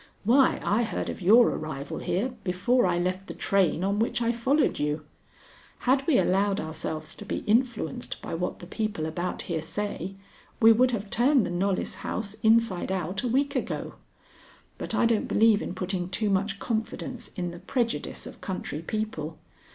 Why, I heard of your arrival here before I left the train on which I followed you. Had we allowed ourselves to be influenced by what the people about here say, we would have turned the Knollys house inside out a week ago. But I don't believe in putting too much confidence in the prejudice of country people.